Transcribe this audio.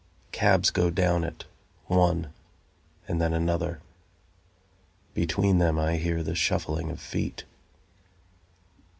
Cabs go down it, One, And then another. Between them I hear the shuffling of feet.